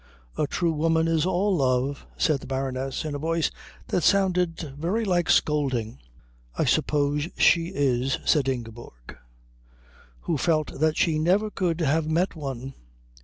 "A true woman is all love," said the Baroness, in a voice that sounded very like scolding. "I suppose she is," said Ingeborg, who felt that she never could have met one.